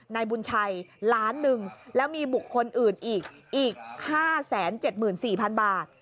ในบุญชัย๑๐๐๐๐๐๐บาทแล้วมีบุคคนอื่นอีก๕๗๔๐๐๐บาท